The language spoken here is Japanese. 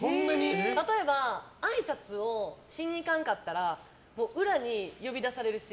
例えばあいさつをしに行かんかったら裏に呼び出されるし。